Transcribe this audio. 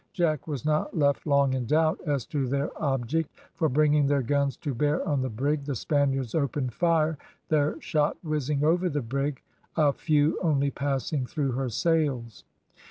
Jack was not left long in doubt as to their object, for bringing their guns to bear on the brig, the Spaniards opened fire, their shot whizzing over the brig, a few only passing through her sails.